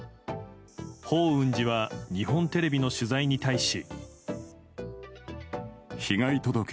法雲寺は日本テレビの取材に対し。